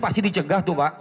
pasti dicegah tuh pak